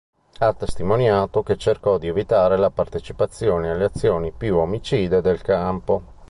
Ha testimoniato che cercò di evitare la partecipazione alle azioni più omicide del campo.